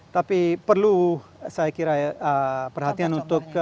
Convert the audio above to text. tapi perlu saya kira perhatian untuk